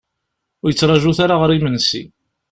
Ur yi-ttrajut ara ɣer imensi.